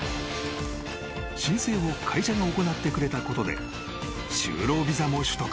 ［申請を会社が行ってくれたことで就労ビザも取得］